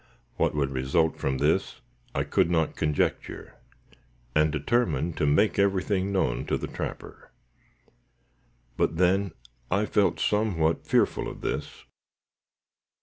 What would result from this, I could not conjecture, and determined to make everything known to the trapper. But then I felt somewhat fearful of this.